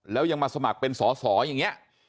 แล้วยังมาสมัครเป็นสอสออย่างนี้